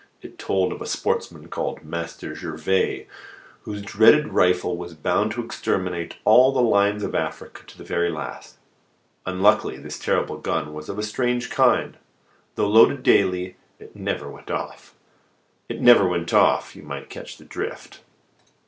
It told of a sportsman called "Master Gervais," whose dreaded rifle was bound to exterminate all the lions in Africa to the very last. Unluckily, this terrible gun was of a strange kind: "though loaded daily, it never went off." "It never went off" you will catch the drift.